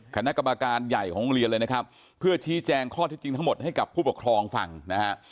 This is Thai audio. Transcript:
คณะกรรมการใหญ่ของโรงเรียนเลยนะครับเพื่อชี้แจงข้อที่จริงทั้งหมดให้กับผู้ปกครองฟังนะฮะ